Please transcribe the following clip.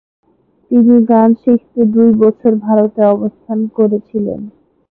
তিনি গান শিখতে দুই বছর ভারতে অবস্থান করেছিলেন।